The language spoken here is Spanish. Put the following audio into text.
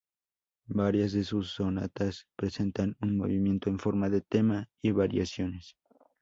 Varias de sus sonatas presentan un movimiento en forma de tema y variaciones.